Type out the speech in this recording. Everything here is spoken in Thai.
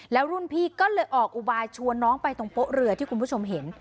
แล้วรุ่นพี่ก็เลยออกอุบายชวนน้องไปตรงโป๊ะเรือที่คุณผู้ชมเห็น